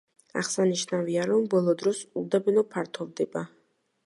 აღსანიშნავია, რომ ბოლო დროს უდაბნო ფართოვდება.